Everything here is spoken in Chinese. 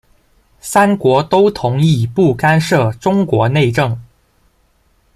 三国都同意不干涉中国内政。